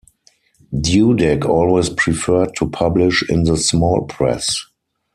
Dudek always preferred to publish in the small press.